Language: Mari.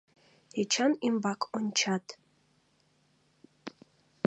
Эчан ӱмбак ончат.